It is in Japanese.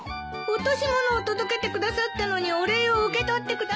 落とし物を届けてくださったのにお礼を受け取ってくださらないのよ。